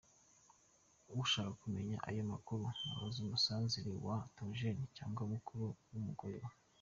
Ushaka kumenya ayo makuru azabaze Musanzire wa Theogene cg Mukuru w’ umugore we.